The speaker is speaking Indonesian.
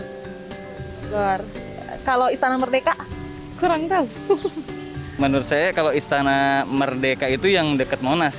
keluar kalau istana merdeka kurang tahu menurut saya kalau istana merdeka itu yang dekat monas